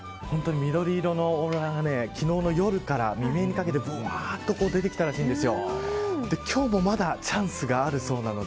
緑色のオーロラが昨日の夜から未明にかけて出てきたらしいんですよ。